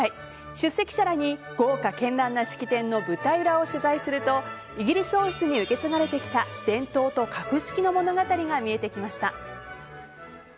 出席者らに豪華絢爛な式典の舞台裏を取材するとイギリス王室に受け継がれてきた伝統と格式の物語が見えてきました。